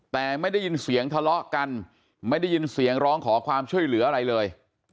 แต่ไม่ได้ยินเสียงทะเลาะกันไม่ได้ยินเสียงร้องขอความช่วยเหลืออะไรเลย